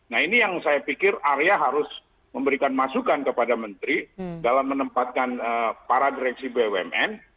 nah ini yang saya pikir arya harus memberikan masukan kepada menteri dalam menempatkan para direksi bumn